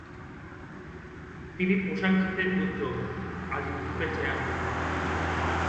তিনি পোশাক খাতের উদ্যোগ আজিম গ্রুপের চেয়ারম্যান।